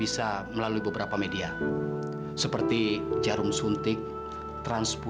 sampai jumpa di video selanjutnya